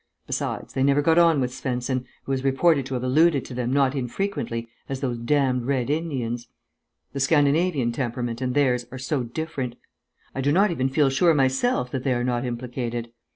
Besides, they never got on with Svensen, who is reported to have alluded to them not infrequently as 'those damned Red Indians.' The Scandinavian temperament and theirs are so different. I do not even feel sure myself that they are not implicated.